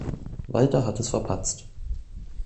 Walter hat es verpatzt.